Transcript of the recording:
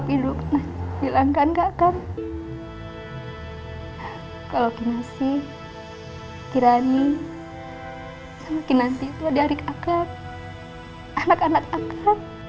papi dulu pernah bilang kan kakak kalau kinasi kirani sama kinanti itu adik akak anak anak akak